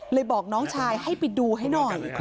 บอกน้องชายให้ไปดูให้หน่อย